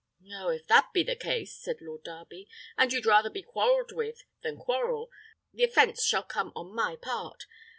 "Oh! if that be the case," said Lord Darby, "and you'd rather be quarrelled with than quarrel, the offence shall come on my part.